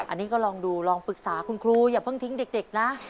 อันนี้ก็ลองดูลองปรึกษาคุณครูอย่าเพิ่งทิ้งเด็กนะ